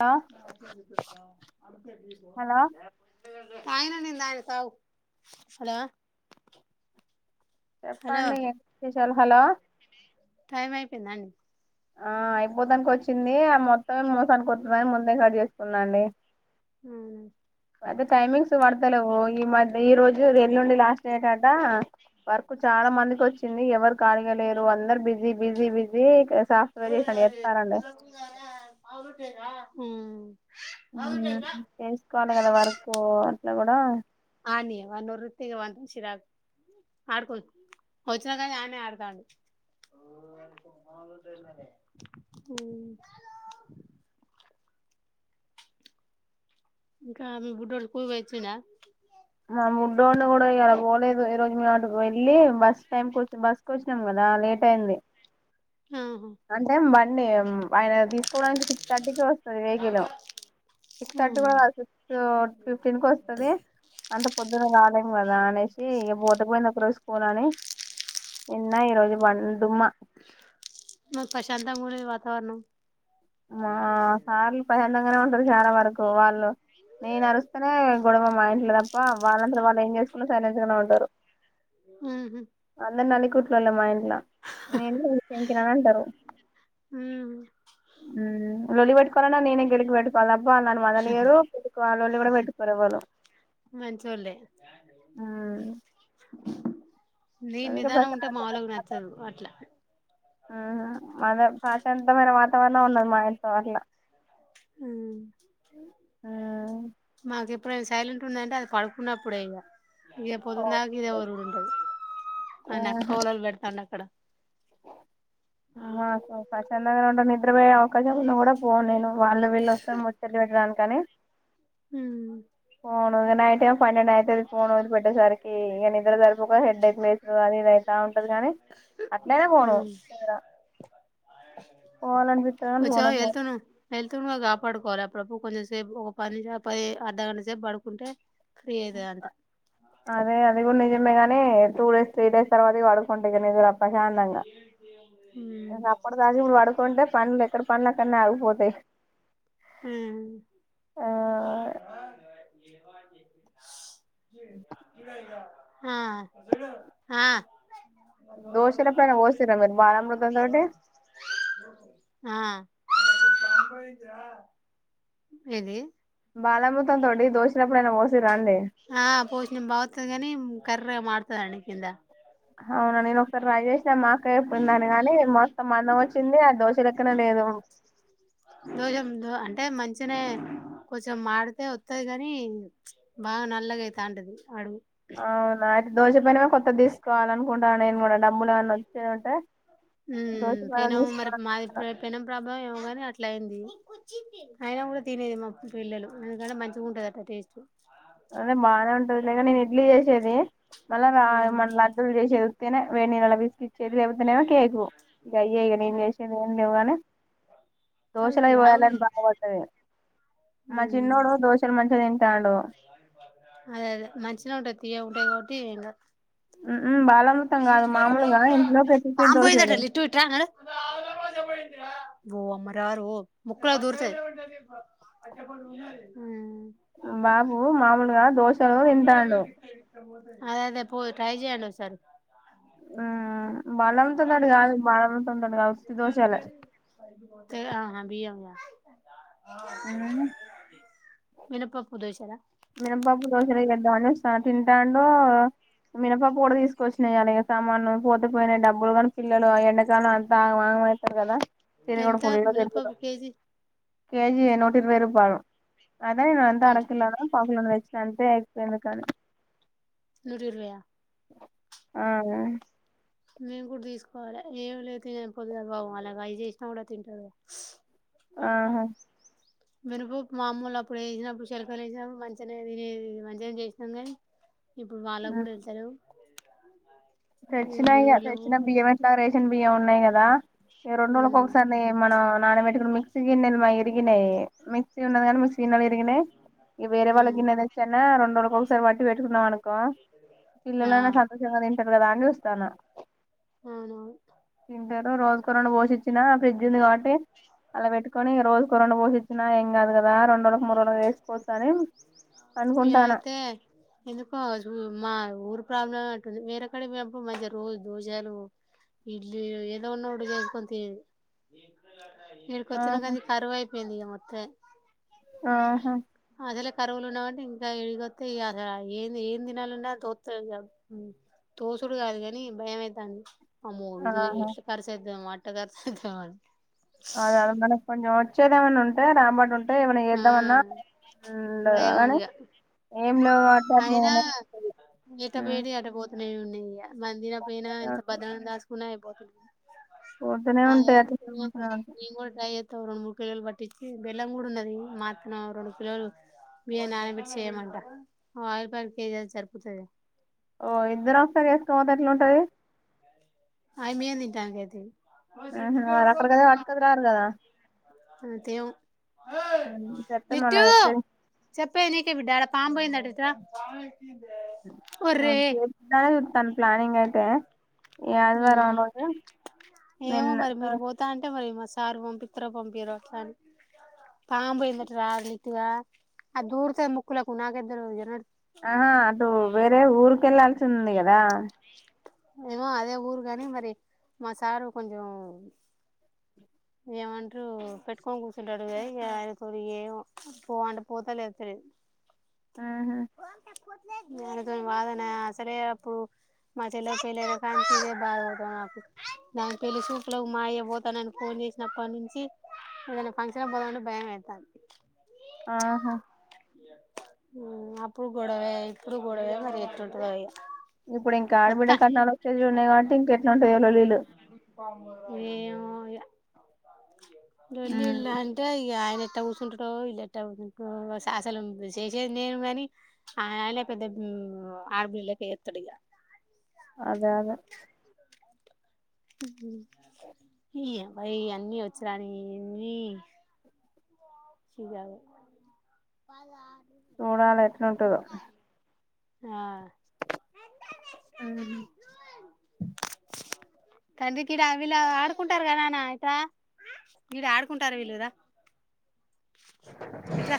Hello hello సాయిన నిందాన సగు హలో హలో చెప్పండి విశేషాలు హలో టైం అయిపోయిందండి ఆ అయిపోదానికి వచ్చింది ఆ మొత్తం స మసాను కొతున్నా మన గడిస్తుంది ఉందండి హ్మ్ అయితే టైమింగ్స్ పడతలేవు ఈ మధ్య ఈ రోజు రల్లుండి లాస్ట్ డేట్ట వర్క్ చాలా మందికి వచ్చింది ఎవరు ఖళగా లేరు అందరు బిజీ బిజీ బిజీ సాఫ్ట్వేర్ చేసినట్టు చేస్తారండి హ్మ్ తెసుకోవాలి కదా వర్కు అట్లా కూడా ఆనియ వన్నూర్ వృతిగా వంద శిరాక్ ఆడుక వచ్చినక ఆని ఆడతాండి ఇంకా మి బుడొడు స్కూల్ పొయి వచ్చిండ మా ముడ్డో ఉండ కూడా అలా పోలేదు ఈ రోజు మ అటుకు వెళ్ళి బస్ టైంకి వచ్చ బస్సుకు వచ్చినాం కదా లేట్ అయింది ఆహా అంటే మ ఎం ఆయన తీసుకోవడానికి సిక్స్ థర్టీకి వస్తుంది వెహికల్ సిక్స్ థర్టీ కూడా సిక్స్ ఫిఫ్టీన్ కు వస్తుంది అంటే పొద్దున్న రాలెం కాద అనేేసి ఇక బోతకుపోయింద పోనని నిన్న ఈరోజు వం మ ప్రశాంత మర వా వర్నం మా సార్లు ప్రసందంగానే ఉంటారు చాలా వరకు వాళ్ళు నేను అరుస్తేనే గొడవ మా ఇంట్లో తప్ప ఆ వాళ్ళంతా వాళ్ళు ఏం చేసుకున్నా సైలెంట్గానే ఉంటారు హు హ్మ్ ట్లుల మ ల [unintelligible] వింటరు ఉమ్ ఉమ్ వెట్టుకోల నేనే గెలికి వెట్టకో కాల బాగుని మదని గరు పెళ వాళ్ళ వాళ్ళు కూడా పెట్టుకుర ఎవ్వలు మంచోళ్ళే ఉమ్ నీ అందుకే నిదానం ప్రశాంతమైన ఉంటే మాలుకి నచ్చదు అట్లా హు హ్మ్ మాద ప్రాశాంతమైన వాతావరణం ఉన్నది మా ఇడ్తో వల్ల హ్మ్ హ్మ్ మాకు ఎప్పుడైనా సైలెంట్ ఉందంటే అది పడుకున్నప్పుడె ఇంగ ఇద ఓ పొద్దుందాక ఇదే ఒరుడు ఉంటది నెక్క లలు పెడతాం అక్కడ మా చందంగా న నద్ర బ ఒక్క చెప్పున కూడా పోను నేను వాళ్ళ వీళ్ళు వస్తే ముచ్చలి పెట్టడానికి కాని హ్మ్ ఫోన్ నైట్ పంనెండు అయితాది ఫోన్ వది పెట్టేసరికి ఇక నిద్ర తరుపు హెడ్డేక్ ప్లేసు అది ఇదై కానీ అట్లయినా ఫోను హ్మ్. పోవాలనిపిస్తారుని ఫోన్ వెళ్తుండగా కాపాడుకోవాలి అప్పుడప్పుడు కొంచెం సేపు ఒక పది పది అర్ధగంట సేపు పడుకుంటే ఫ్రీ అయితదంట. అదే అది గుడ్ నిజ మే గానీ టూ డేస్, త్రీ డేస్ తర్వాత పడుకుంట ఇగ నిదరప్ ప్రశాంతంగా హ్మ్. ఇంకా అప్పుడు తాగి ఇప్పుడు పడుకుంటే పన్ ఎక్కడ పన్ల్ అక్కనే ఆగిపోతయి. హ్ ఆ జ ఇదయ ఆ ఆ దోశల పైన పోసిర్రా మీరు బాలామృతం తోటి ఆ దస తభ ఇయితే ఏంది. బాలమృతం తోటి దోషలెప్పుడైనా పోసిం ఆ పోషినం బాగొత్తది గనీమ్ కర్రెగ మడ్తదండి కిింద అవునా నేన్ ఒకసార్ ట్రై చేస్ న మా అక్క చెప్పిందని గని మొత్తం మందం వచ్చింది ఆ దోశ లెక్కనే లేదు. చనే కొంచం మాడితే వస్తది గని బాగా నల్లగైతాంటది అడుగు అవునా దోశ పెనమే కొత్తద్ తీస్కోవాల్ అనుకుంటానా నేను గుడ డబ్బులు ఏమన్న వచ్చేదుంటే మ్ పెనం మరి మాది పె పెనం ప్రాబ్ మో ఏమో గని అట్ల అయింది. అయినా గుడా తినేది మా పిల్లలు ఎందుకంటే మంచిగుంటదట టేస్ట్ అదే బానే ఉంటదిలే గని నేన్ ఇడ్లీ చేసేది మళ్ళ రా మళ్ళ ఉమ్ లడ్డులు చేసేవ్ గనే వెేడి నీళ్ళల్ల పిసికిస్తే చేది లేకపోతేనేమో కేకు ఇగ అయ్యే ఇగ నేన్ చేసేద్ ఏం లేవు గని దోశలై తాగు తాగు పోయాలని బాగుపడది మా ఉమ్ చిన్నోడు దోశలు మంచిగా తింటాండు. అదే అదే మంచిగనే ఉంటది తీయగుంటది కాబట్టి ఏం కాద్ బాలమృతం కాదు మామూలుగా ఇంట్లో పెట్టిపోయిన పాం పోయిందట దోశలు లిట్టు ఇట్రా నడు ఓ అమ్మరారో ముక్కలా దూర్తయి బాబు మామూల్గా దోశలు తింటాండు. అదే అదే పో ట్రై చేయండి ఒకసారి ఆ కాదు ఉత్తి దోశలే తే ఆహా బియ్యము మినప్పప్పు దోషాల మినపప్పు దోషాలె చేద్దాం అని స్టా తింటాండు. మినపా కూడా తీసుకొచ్చినాయి అలాగే సామానులు పోతపోయినాయి డబ్బులు కాని పిల్లలు ఎండకలు అంతా వాగమ అవుతారు కదా తిరుగుడు ఎంత ఫుల్లు ముినప్ప తిరుగుడు కేజీ కేజీ నూట ఇరవై రూపా అదాేను వంతా నూట అరకులానా వచ్చిన అంటే అయిపోయిందు కాను నూట రూవయ ఆ మేము కూడా తీసుకోవాలి ఏమి లేదు తినకపోతు కా బాబు అలాగ అవి చేసినా కూడా తింటారు ఆహా మినప్పు మామూలు అప్పుడు వేసినప్పుడు సెల్కలు వేసినప్పుడు మంచిగానే మంచిగా చేసినాం కాగానీ ఇప్పుడు వాళ్ళ కూడా వెళ్తాలేవ్ ఆ స యిచ్చిన బి్యంట్లా రేషన్ బియ్యం ఉన్నాయి కదా ఈ రెండుోజుల ఒకసారి మన నాన మెడికుల్ి మిక్సీిన్నల్ మా ఇరిగ్నే మిసీ ఉన్నది కా మిసీ గన్నల్ ఇకినాే ఈ వేరే వాళ్ళ గిన్ననే వచ్చాన్న రెంో ఒకసారి వాట్టి పెట్టుకున్నాంనకు ఆ పిల్లనే సంతోశంగ ారు కదా అని వస్తాను అవునవును ఎద రోుజు బోసి వచ్చిన ఫ్రిడ్జ్ ఉంది కాబట్టి అలా పెట్టుకొని రోజుకు రెండు పోూ ఇచ్చినా ఏం కాదు కదా రెంో మీ అనుకుంటానా అయితే ఎందుకో మా ఊరు ప్రాబ్లం ఉంటుంది వేరేక్కడ మప్పుడు మధ్య రోజు దోజాలు ఇడ్లీ ఏదో ఉన్నప్పుడు చేసు కొంత ఇీడికి ఆహా వచ్చినాకనీ కరువు అయిపోయింది ఇక మొత్తం ఆహా అసలే కరువులు ఉన్నామంటే ఇంకా ఎడిగిొస్తతే అసలు ఏం ఏం తినాలున్నా తో తోసుడు కాదు కాని భయమవుతంది అమో ఆహా ఇష్ట కార సేత మాట పెదథ మరి అద అద మనకు కొంచెం వచ్చేదేమైనా ఉంటే రాబాటు ఉంటే అంటే ఏమ న ఆ ఇద్దామన్నా ఉండ భయం కానీ ఇగ ఏం లే అట్లా అయినా న ఉన్నా మందిర పైన ఎంత భదనం దాసుకున్నా బతు పోతూనే ఉంటాయి అట్లాస తం రెండు మూడు కిలోలు పట్టిచ్చి బెల్లం గూడ ఉన్నది మా అక్క ని ఓ రెండు కిలోలు బియ్యం నానబెట్టి చేయమంట ఓ ఆయిల్ పేకెట్ కేజీ అయితే సరిపోతదిగా ఓ ఇద్దరు వస్తే చేసుకోపోతే ఎట్లుంటది ఆ అమ్మియే తింటా నికయితయి ఆహా వారు అక్కడకద వాటు కద రారు కదా అంతే మో ఉమ్, చెప్తే మళ్ళ నిత్యూ చెప్పేది నీకే బిడ్డా రా పాం పోయింది అటు ఇటు రా [unintelligible] ప్లానింగ్ అయితే ఈఆదివారం రోజు ఏమో నిన్న మరి ఆ మీరు పోతా అంటే మరి మా సారు పంపిత్రొ పంపీరో స పాంబోయిందటరా లిత్గా అది దూర్ తది ముక్కు లకు నాకేం తెలదు నడు ఆహా అటు వేరే ఊర్కేల్లాలి వస్తుంది కదా ఏమో అదే ఊరు కాని మరి మా సారు కొంచెం ఏమంట్రు పెట్టుకొని కూర్చుంటాడు ఆయన తో ని ఏమో పో అంటే పోత లేదంటే లేదు ఆహా దానితోని వాదనే అసలే అప్పుడు మ తెలే తెలేదు కానీ చూసే బాధ అయితాంది నాకు దానికి పెళ్లి చూపులకు మా అయ్య పోతానుని ఫోన్ చేసినప్పటి నుంచి ఏదైనా ఫంక్షన్ పోదామంటే భయం అయితాంది ఆహా మ్మ్ అప్పుడు గొడవే ఇప్పుడు గొడవే మరి ఎట్టుంటదో ఇగ ఇప్పుడు ఇంకా ఆడబిడ్డ మొత్తం కన్నాలు వచ్చే ఉన్నాయి కాబట్టి ఇంకెట్లా ఉంటాయో లొల్లీలు లొల్లిలంటే అయి ఇగ ఆయన ఎట్ట కూసుంటడో ఎట్ట అసలు చేసేది నేను కాని ఆయన పెద్ద ఆడపిల్లొలెక్క చేత్తాడు ఇగ అదే అదే మ్మ్ ఈ అబ్బాయి అన్ని వచ్చి రాని ఇన్ని సుజావు చూడాల ఎట్లుంటదో ఆ మ్మ్ హ్మ్ తండ్రికిడ వీళ్ళ ఆడుకుంటారుకా నాన్న ఇట్రా ఈడ ఆడుకుంటారు వీళ్ళు రా ఇట్రా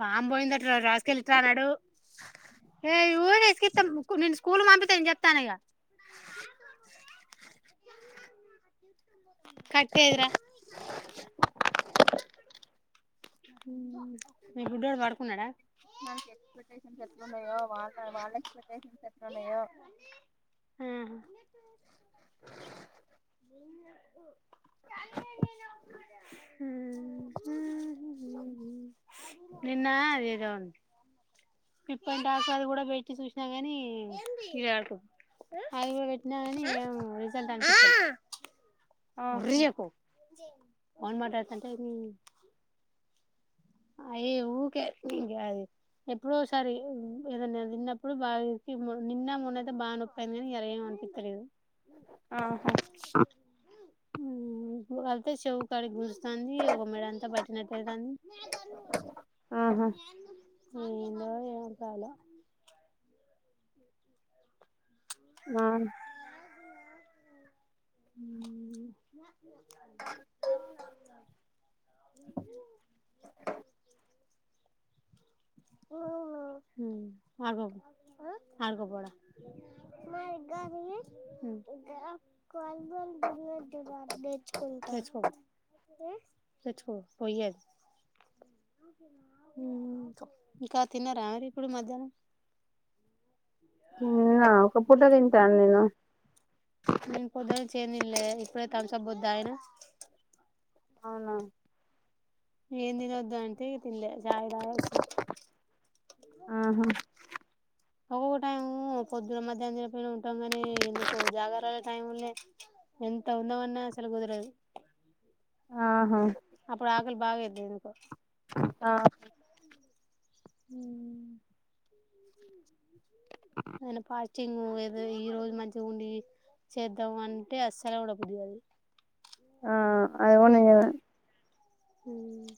పామ్ పోయిందట రా రాస్కెల్ ఇట్రా నడు ఏ ఊక ఇసికిత్తే నిన్ను స్కూల్ మాన్పిత్త నేను చెప్తాను ఇగ కట్టేదిరా మీ బుడ్డోడు పడుకున్నాడా మనీష్కి ఎక్స్పెక్టేషన్స్ ఎట్లున్నాయో వాళ్ళ వాళ్ళ ఎక్స్పెక్టేషన్స్ ఎట్లా ఉన్నాయో మీ [unintelligible] నిన్న అదేదో పిప్పందాకు అది కూడా పెట్టి చూస్న్నా కాని ఇది ఆడ్కో హైవే పెట్టినా కాని ఏవో రిజల్ట్ ఆ... ఆహా మొర్రియ్యకు ఫోన్ మాట్లాడుతుంటే హ్మ్ అయ్యో ఊకే ఇంగా అది ఎప్పుడోసారి ఏదనా దిన్నప్పుడు బాగా ఎక్కి మో నిన్న మొనైతే బాగా నొప్పైయింది గానీ, ఇయాల ఏం అనిపితలేదు. ఆహా వెళ్తే చెవ్ గాడిక్ [unintelligible] తంది ఒక మేడ అంతా బట్టినటైతాంది ఆహా ఏందో ఏం కాలో ఆ హ్మ్ [unintelligible] అవు. మ్మ్ ఆడ్కోబో ఆడ్కోబో ఆడా మ్మ్ తెచ్చుకోపో తెచ్చుకోపో పోయి అది మ్మ్ మ్మ్ ఇంకా తిన్నారా మరి ఇప్పుడు మధ్యాహ్నం ఆ ఒక పూట తింటాన్ నేను నేను పొద్దున్నుంచి ఏం తినలే ఇప్పుడే థమ్సబ్బు దాగిన అవునా ఏం తినొద్దు అంటే తినలే ఛాయ్ దాగ్ వచ్చినా ఆహా ఒక్కొక్క టైం పొద్దున మధ్యాహం తినక్పోయిన ఉంటాం కాని ఎందుకో జాగార్లర టైం నే ఎంత ఉందామన్నా అసలు కుదరదు. ఆహా అప్పుడ్ [unintelligible] ఓక్వేళ బాగాయితే ఎందుకో ఆ హ్మ్ అన్ పాజ్ టింగ్ ఏదో ఈ రోజు మంచిగా ఉండి చేద్దాం అంటే అస్సల కూడా కుదరదు. ఆ అది కూడ నిజమే హ్మ్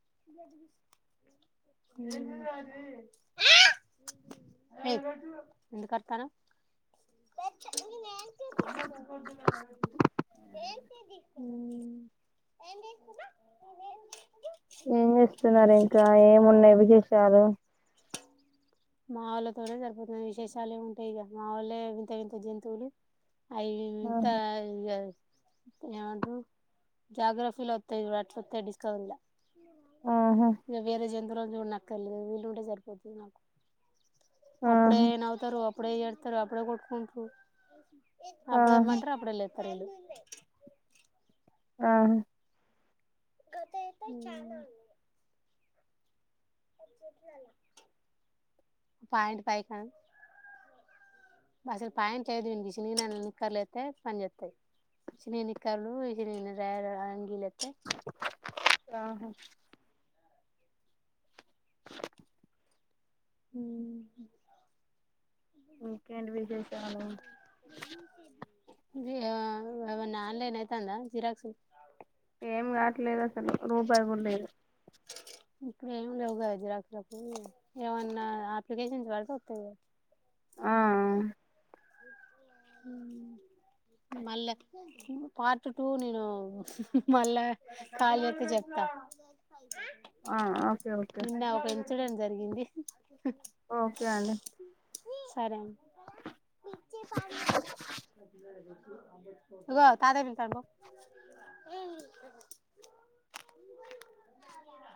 ఎందుకూర్తనవ్. హ్మ్ మ్ ఏం జేస్తున్నారింకా ఏమున్నాయి విశేషాలు. మా వాళ్ళతోనే సరిపోతుంది విశేషాలు ఏముంటాయిగ మా వొళ్ళే వింత వింత జంతువులు. అయ్యేంత. ఆహా ఏు జాగ్రఫిలో వ ఇ వాట్స్ డిస్కవ ఆహా ఇంగ వేరే జంత జున్నక్కర్లేదు వీళ్ళుంటే జరి తంది నాకు అప్పుడే ఆహా నవుతారు అప్పుడే ఏడుత్తరు అప్పుడే కొట్టుకుంటు అప్పుడే ఆహా మాత్రం అప్పుడే లేదు త్తరిల్లు ఆ కతే ఎతేయి చఛానా పాయింట్ పై కా అసలు పాయిట్ చేదుినగ నిక్కరలు అతే పని చేస్తాయి చినిగిన నిక్కరలు రంగీలుస్త ఆహా ఉ ఇంకేంటి విశేస్ ఆ న్ ఆన్లైన్ అయితాందా జిరాక్సు ఏం కాట్లేదు అసలు రూపాయి కూడా లేదు ఇపుడు ఏం లేవు గదా రా ఎవప్లిషన్ వాడతు ఆ మళ్ళా పార్ట్ టూ నేను మళ్ళా ఖాళీ అయితే చెప్తా ఆ ఓకే ఓకే నిన్న పెంచడం జరిగింది ఓకే అండి సరే అండి అగో తాతయ్య పిలుత్తాండు పో